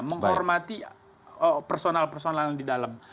menghormati personal personal yang di dalam